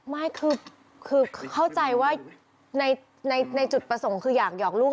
ไม่คือเข้าใจว่าในจุดประสงค์คืออยากหอกลูก